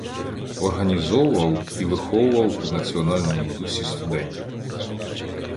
Організовував і виховував у національному дусі студентів.